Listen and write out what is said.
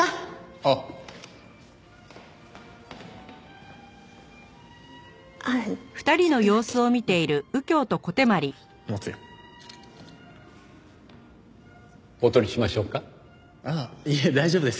ああいえ大丈夫です。